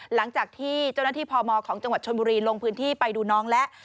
หลังจากที่เจ้าหน้าที่พมของจังหวัดชนบุรีลงพื้นที่ไปดูน้องแล้ว